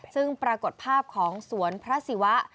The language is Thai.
ซึ่งปรากฏภาพของสวนพระศิวะ